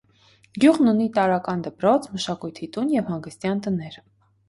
Գյուղն ունի տարրական դպրոց, մշակույթի տուն և հանգստյան տներ։